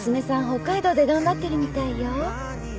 北海道で頑張ってるみたいよ。